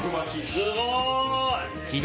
すごい！